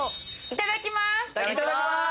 いただきます。